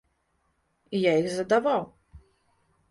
І я іх задаваў.